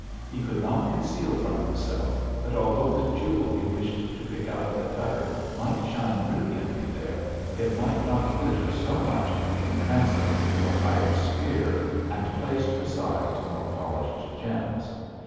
He could not conceal from himself that although the jewel he wished to pick out of the gutter might shine brilliantly there, it might not glitter so much when translated to a higher sphere and placed beside more polished gems.